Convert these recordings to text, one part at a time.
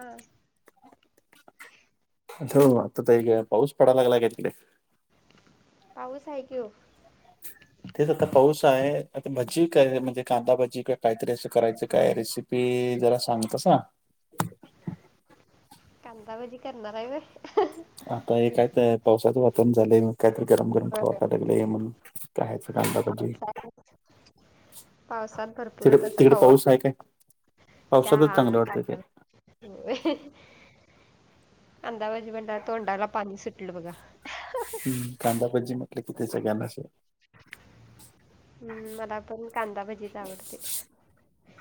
हा. हो आता तर पाऊस पडायला लागला काय तिकडे? पाऊसं हाय की ओ. तेच आता पाऊस आहे. आता भजी कर. म्हणजे कांदा भजी का काहीतरी असं करायचं काय रेसिपी पी जरा सांगतसा. कांदा भाजी करणार हाय व्हय? हं. आता हे कायच पावसाचं वातावरण झालंय मग. काहीतरी गरम गरम खावा होय. वाटाय लागलं मग खायचं कांदा भजी. पावसाळ्यात पावसात भरपूरच असं तिकडे-तिकडे खाऊ पाऊस वाटतंय. आहे काय? पावसातच चांगलं वाटतं ते. हं. कांदा भजी म्हटल्यावर तोंडाला पाणी सुटलं बघा. हम्म. कांदा भजी म्हटलं कि ते सगळ्यांनाच हम्म. मला पण कांदा भजीच आवडते.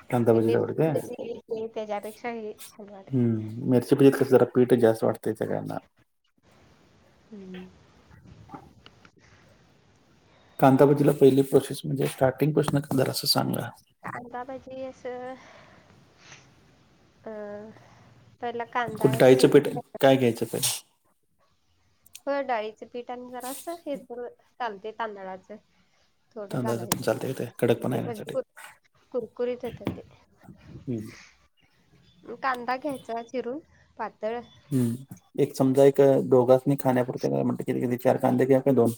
कांदा ते भजीच आवडते मिरची ची ते त्याच्यापेक्षाही. हम्म. मिरची भजीत कसं? जरा पीठच जास्त वाटतंय सगळ्यांना. हम्म. [inaudible] कांदा भजीला पहिली प्रोसेस म्हणजे स्टार्टिंग पासुन करणार असं सांगा. आता म्हणजी असं अं. पहिला कुठं कांदा डाळीचं पीठ चीरून काय घ्यायचं तरी. हो डाळीच पीठ आणि जरास हे चालते तांदळाचं. थोडे तांदळाचं पण घालायचे चालतंय का ते कडक पण म्हणजे भजी येण्यासाठी. कुर कुरकुरीत येत ते. हम्म. कांदा घ्यायचा चिरून पातळ. हम् एक समजा एक दोघांचनी खाण्यापुरते म्हटलं तरी किती चार कांदे घ्यावे काय दोन.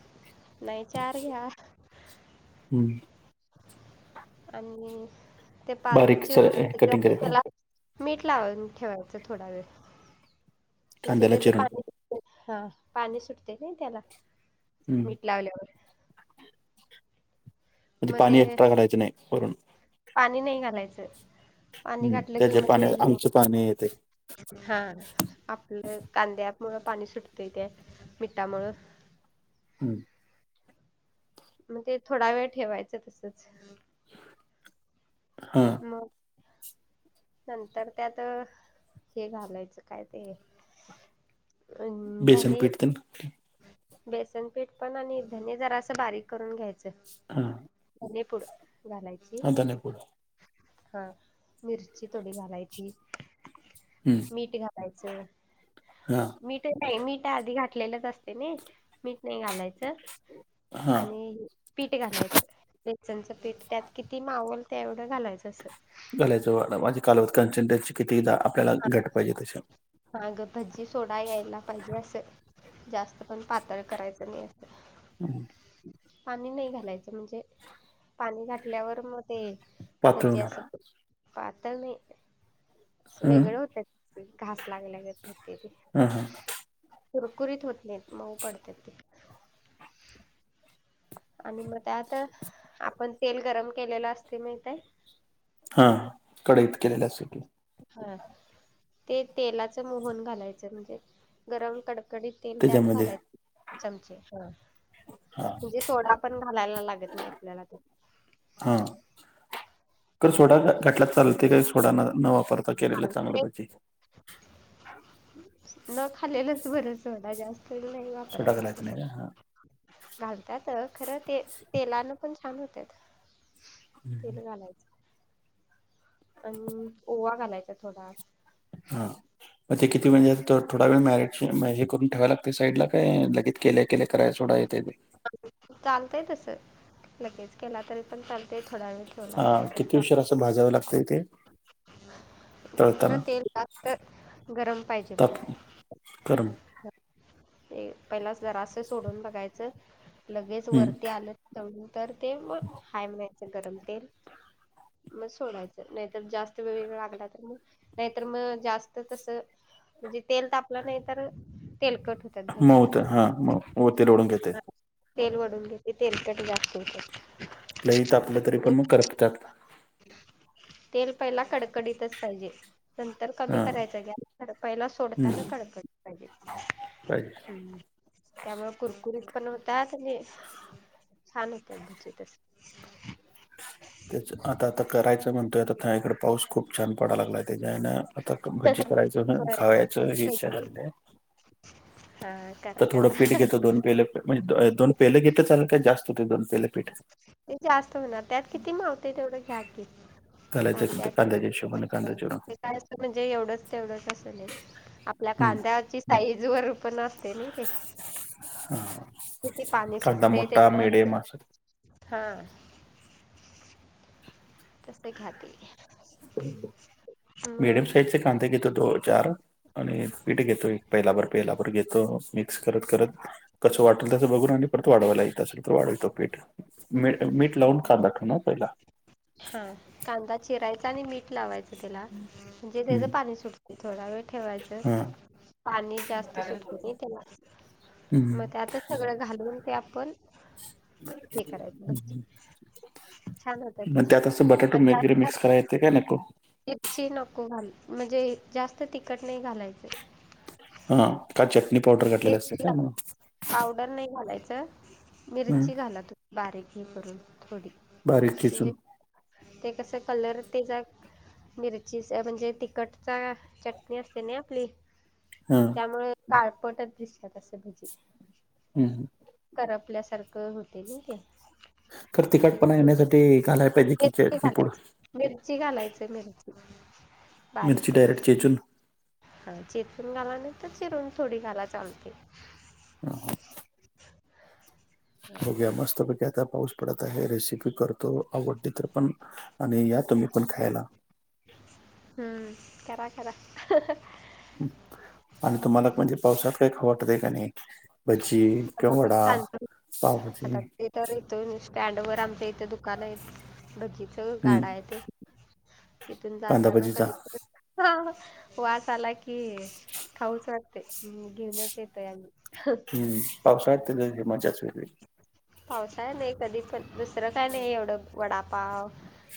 [inaudible] नाही चार घ्या. हम्म‌. आणि ते पाच बारीक स चिरून कटिंग [inaudible] करीत राहू त्याला. मीठ लावून ठेवायचं थोडा वेळ म्हणजे कांद्याला त्याच चिरून पाणी. हा पाणी सुटते नाही त्याला हम्म. मीठ म्हणजे लावल्यावर. म्हणजे मग पाणी ते एक्स्ट्रा घालायचं नाही वरून. पाणी नाही घालायचं. पाणी हम्म घातलं की त्याच्या मग ते पाण्यात आमच पाणी येते. हा आपलं कांद्यामुळ पाणी सुटतंय ते मिठामुळं. हम्म. मग ते थोडा वेळ ठेवायचं तसच. हा. [unintelligible] नंतर त्यात हे घालायचं काय ते- अन् बेसन धने पीठ तेन बेसनपीठ पण आणि धने जरासं बारीक करून घ्यायचं. हा म्हजे पुढ घालायच. धणेपूड हा मिरची थोडी घालायची. हम्म मीठ घालायचं हा मीठ ते नाही मीठ आधी घातलेलंच असते ना मीठ नाही घालायचं. हा आणि पीठ घालायचं बेसनचं पीठ त्यात किती मावेल तेवं - घालायचं असं घालायचं माझे [inaudible] कट किती आपल्याला घट्ट पाहिजे तश्या हांग भजी सोडा यायला पाहिजे असं जास्त पण पातळ करायचं नाही. ह पाणी नाही घालायचं म्हणजे पाणी घातल्यावर मग ते- पातळ भजी होणार अस पातळ नाही. अस वेगळ हम्म होत घास लागल्यागत होतेय ते. हा हा कुरकुरीत होत नाही मऊ पडतात ते. आणि मग त्यात आपण तेल गरम केलेलं असते माहिती ये. हा कढईत केलेल्यासाठी. हा ते तेलाच मोहन घालायचं म्हणजे गरम कड- कडकडीत तेल त्यात त्याच्यामध्ये घालायचे [inaudible] चमचे हा हा म्हणजे सोडा पण घालायला लागत नाही आपल्याला तर. हा कर सोडा ना हम्म घाटलात चालते काय सोडा न न वापरता केलेलं चांगलं ते पाहिजे. न खालेलंच बरं सोडा जास्त तेल नाय सोडा वापरायचं घालायचं नाही तसं का हा घालतात खरं ते तेलानं पण छान होत्यात. तेल घालायचं. अन ओवा घालायचा थोडा. हा मग ते किती म्हणजे थोडा वेळ मॅर [unintelligible] हे करून ठेवा लागते साईडला काय लगे केल्या केल्या कराय सोडा येते ते. चालतय तस लगेच केला तरी पण चालतय थोडा वेळ ठेवला तरी पण चाल तर अस भाजावं लागतय ते. तळताना खरं तेल लागत गरम पाहिजे बघा. ताप गरम ते पहिलाच जरास सोडून बघायचं लगेच वरती हम्म आलं [unintelligible] तर ते मग हाय म्हणायचं गरम तेल. मग सोडायचं नाहीतर जास्त वेळ लागला तर मग नाहीतर मग जास्त तस म्हणजे तेल तापलं नाही तर तेल कट होत मऊ होत हा मऊ हो तेल ओढून घेतय. तेल वढून घेतेय तेलकट जास्त होतात. आपल्या इथ आपलं तरी पण मग करपत्यात तेल पहिला कडकडीतच पाहिजे. नंतर कमी हा करायचं गॅस [unintelligible] हम्म सोडताना कडकडनी पाहिजे. पाहिजे हम्म त्यामुळे कुरकुरीत पण होतात आणि छान होत्यात भजी तसं. तेच आता आता करायच म्हणतोय त्या इकड पाऊस खूप छान पडाला लागलाय त्याच्यान [unintelligible] आता भजी करायचं ह होय. खायाचं ही इच्छा झालेली आहे हा करा तर करा थोडं पीठ घेतो दोन पेल म्हणजे दो-दोन पेले घेतलं चाललं का जास्त ते पण जास्त होणार त्यात किती मावतय तेवढं घ्या की, घालायचं ते कांद्यात कांद्याच्या हिशोबाने कांदा चिरून ते काय अस म्हणजे एवढंच तेवढंच असल हे, आपल्या हम्म. कांद्याची साईज वर पण असतंय नय काय हा. किती पाणी सुटते त्याच्यावर ये मासात हा [unintelligible] मग मीडियम साईज चे कांदे घेतो दो चार आणि पीठ घेतो एक पेलाभर पेलाभर घेतो, मिक्स करत करत कसं वाटल तस बघून आणि परत वाढवायला येत असल वाढवीतो पीठ मीठ मीठ लावून कांदा ठेवू ना पहिला. हा कांदा चिरायचा आणि मीठ लावायचं त्याला म्हणजे त्याज हम्म. पाणी सुटत. थोडा वेळ ठेवायचं हा. पाणी जास्त सुटत नाही त्याला, मग हम्म. त्यातच सगळं घालून ते आपण हे करायचं छान होतात ते अस बटाटे [unintelligible] मिक्स करा येते काय नको मिर्ची नको घालू म्हणजे जास्त तिखट नाही घालायचं. हां का चटणी पावडर घातलेले असते मिरची काय घाला म्हणून? पावडर नाही घालायचं. मिरची घाला तुम्ही बारीक हे करून थोडी बारीक म्हणजे चिचून ते कसं कलर त्याचा एक मिरची चा म्हणजे तिखट चा चटणी असते ना आपली हां. मुळे काळपट च दिसत्यात अस भजी. हम्म हम्म. करपल्यासारखं होते नाही ते. खरं तिकटपणा येण्यासाठी घालाय पाहिजे ते की मिरची चटणी पूड? घालायचं मिरची घालायचं मिरची बारीक मिरची डायरेक्ट करून. चेचून हां चेचून घाला नाही तर चिरून थोडी घाला चालतंय. [unintelligible] बघूया मस्त पैकी आता पाऊस पडत आहे, रेसिपी करतो आवडली तर पण आणि या तुम्ही पण खायला. हम्म करा करा. आणि तुम्हाला म्हणजे पावसात काही खाऊ वाटतंय का नाही? भजी मला किंवा पण वडा, तांदूळ आता पावभाजी ते तर इथून स्टँड वर आमच्या इथे दुकान आहेत भजीचं हम्म गाडा येतोय. तिथून कांदा जाताना भजीचा कधी तर वास आला की खाऊच वाटतंय मग घेऊनच येतोय आम्ही. हम्म पावसाळ्यात त्याची मजाच वेगळी. पावसाळा नाही कधी पण दुसरं काय नाही एवढं वडापाव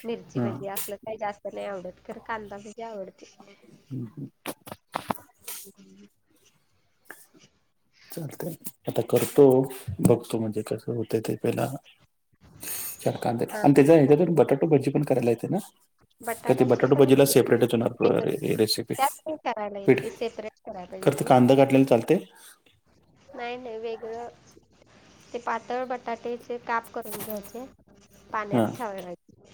मिरची हा भजी असलं काही जास्त नाही आवडतं खरं कांदा भजी आवडते. हम्म हम्म. [unintelligible] [inaudible] चालतंय आता करतो, बघतो म्हणजे कसं होतंय ते पहिला. चार कांद्या हा. आणि त्याचा ह्याच्यातून बटाटो भजी पण करायला येते ना? का ते बटाट्याची बटाटो पण भजीला सेपरेटच [unintelligible] होणार येते, रेसिपी त्यात नाही करायला येत ते सेपरेट कराय पाहिजे. ते. कांद घातलेलं चालतंय? नाही नाही वेगळं ते पातळ बटाट्याचे काप करून घ्यायचे. पाण्यात हा ठेवायचे.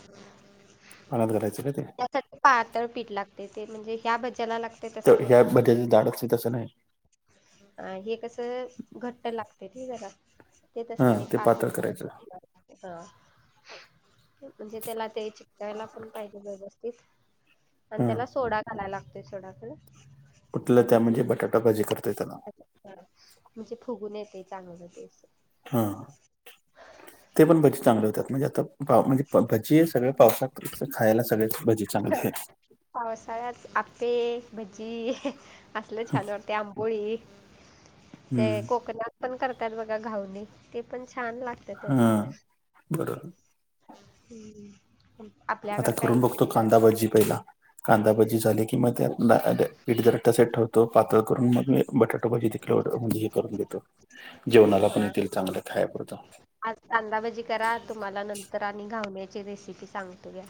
पाण्यात घालायचं का ते? खरं पातळ पीठ लागतंय ते म्हणजे ह्या भज्याला लाग तर ह्या भज्याचं जाड असतंय तसं नाही? अ हे कस घट्ट लागतंय नाही जरा. ते हा तसं नाही ते पातळ करायचं [unintelligible] हां म्हणजे त्याला ते चिकटायला पण पाहिजे व्यवस्थित. आणि हा त्याला सोडा घालायला लागतोय सोडा खरं. कुठल्या त्या म्हणजे बटाटा भजी करतोय त्याला? हां म्हणजे फुगून येतंय चांगलं ते असं. हां ते पण भजी चांगल्या होत्यात म्हणजे आता पाव म्हणजे प भजीयं. सगळं पावसात खायला सगळेच भजी चांगले आहेत. पावसाळ्यात आप्पे, भजी असलं छान वाटतं आंबोळी. [inaudible] ते कोकणात पण करतात बघा घावणे, ते पण छान लाग ते. हा बरोबर हूं. आता करून बघतो कांदाभजी पहिला. कांदाभजी झाली की मग पीठ घट्टसर ठेवतो. पातळ करून मग मी बटाटा भजी तेव्हढं हे करून देतो. जेवणाला पण करा येतील चांगलं खायापुरतं. आज कांदाभजी करा. तुम्हाला नंतर आणि घावण्याची रेसिपी सांगतो घ्या.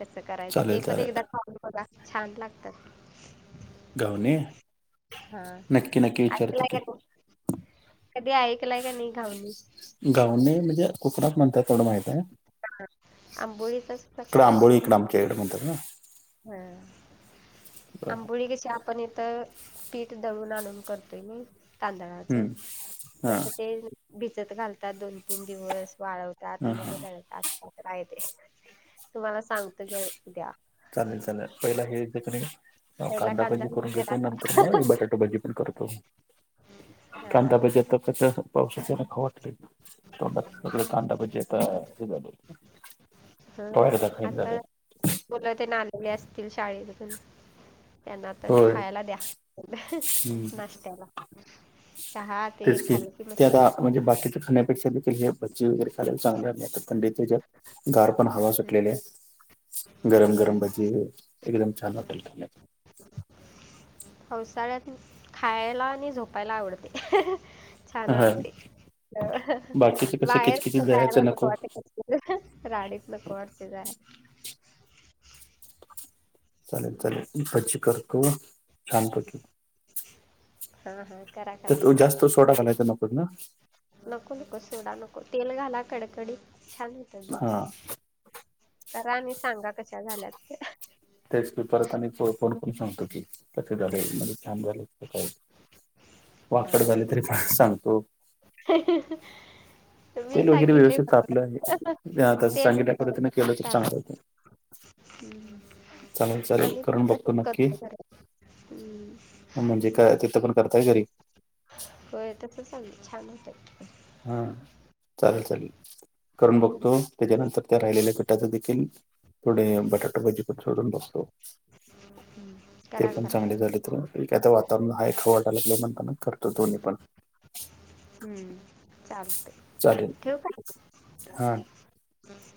कसं करायचं. चालेल ते पण चालेल एकदा खाऊन बघा. छान लागतात. घावणे? हा नक्की नक्की. विचारतो ऐकलाय का की नाही, कधी ऐकलाय का नाही घावणी? घावणे म्हणजे, कोकणात म्हणतात तेव्हढं माहितंय. आंबोळीचाच इकडं प्रकार आंबोळी इकडं आमच्या इकडे म्हणतात ना. हं. आंबोळी कशी पण इथं पीठ दळून आणून करतोय मी. तांदळाचे. हम्म हा तसं ते भिजत घालतात दोन तीन दिवस. वाळवत टा हा हा त्यात मग का ते तुम्हाला सांगतो की उद्या. चालेल, चालेल. पहिला हे कांदा भजी करून घेतो. नंतर मग बटाटो भजी पण करतो. हा. कांदाभजी आता कसं, पावसाच्यानं खाऊ वाटतंय. तोंडात सगळे कांदा भजे आता ही झालेत. केव्हा हा एकदा खाईन झालंय. आता मुलं त्यानं आणलेले असतील शाळेमधून. त्यांना आता होय खायाला द्या, हम्म नाश्त्याला. चहा ते तेच की, खाल्लं ते मस्त आता म्हणजे बाकीचं खाण्यापेक्षा देखील हे भजी वगैरे खाल्लेलं चांगलंय. नाहीतरी थंडीत याच्यात गार पण हवा सुटलेलीय. गरम गरम लागतं. भजी, एकदम छान वाटेल खाण्यात. पावसाळ्यात खायाला आणि झोपायला आवडतं. छान हा वाटतंय. बाकीच कसं बाहेर किचकिची कुटं जायाला दह्याचं नको वाटतं. राडेत नको वाटते जायला. चालेल, चालेल. भजी करतो छानपैकी. हा हा, करा. करा. त्यात जास्त सोडा घालायचा नकोच ना? नको, नको, सोडा नको. तेल घाला कडकडीत, छान होतात भजी. हा करा आणि सांगा कशा झाल्यात. तेच मी परत आणि फोन करून सांगतो की, कसे झाले, म्हणजे छान झाले. वाकड हां हां झाले तरी सांगतो. तुम्ही तेल वगैरे सांगितले व्यवस्थित होतं. तापलं आहे, आता तेल सांगितल्या पद्धतीने केलं तर चांगलं होतंय. हूं... चालेल, चालेल. करून बघतो नक्की. घरात. हम्म. म्हणजे काय तिथं पण करताय घरी. होय, तसं चांगलं छान होतंय. हा! चालेल, चालेल. करून बघतो. त्याच्यानंतर त्या राहिलेल्या पिठाचं देखील, थोडे बटाटाभजी पण सोडून बघतो. हम्म. ते ते करा पण करा. चांगले झाले तर मग ठीक आहे वातावरण हाय, खाऊ वाटा लागलय म्हणताना करतो दोन्ही पण, हम्म, चालतय चालेल ठेवू काय हा मग.